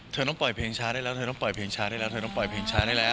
เธอต้องปล่อยเพลงช้าได้แล้วเธอต้องปล่อยเพลงช้าได้แล้วเธอต้องปล่อยเพลงช้าได้แล้ว